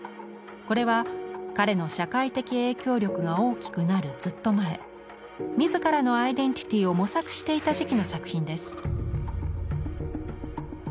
これは彼の社会的影響力が大きくなるずっと前自らのアイデンティティーを模索していた時期の作品です。